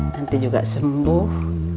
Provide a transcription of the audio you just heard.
nanti juga sembuh